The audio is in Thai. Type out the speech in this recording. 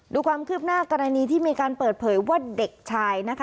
ดูความคืบหน้ากรณีที่มีการเปิดเผยว่าเด็กชายนะคะ